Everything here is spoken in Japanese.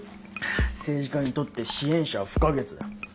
政治家にとって支援者は不可欠だ。